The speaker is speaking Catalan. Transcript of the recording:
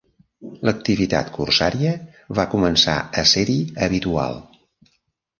L'activitat corsària va començar a ser-hi habitual.